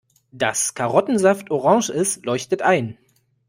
Dass Karottensaft orange ist, leuchtet ein.